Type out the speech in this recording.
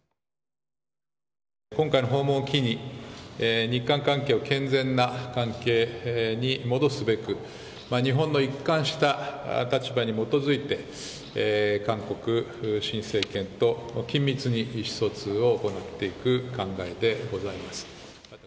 今回の訪問を機に、日韓関係を健全な関係に戻すべく、日本の一貫した立場に基づいて、韓国新政権と緊密に意思疎通を行っていく考えでございます。